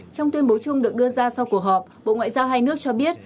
trong tuyên bố chung được đưa ra sau cuộc họp bộ ngoại giao hai nước cho biết